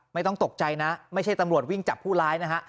ไม่ต้องตกใจนะไม่ใช่ตำรวจวิ่งจับผู้ร้ายนะฮะ